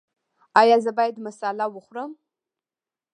ایا زه باید مساله وخورم؟